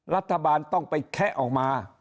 รัฐบาลต้องไปแคะออกมา